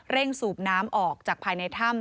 สูบน้ำออกจากภายในถ้ำ